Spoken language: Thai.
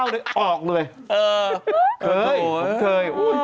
แล้วเนี่ยใครเลยร้องสิ